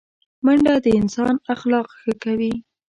منډه د انسان اخلاق ښه کوي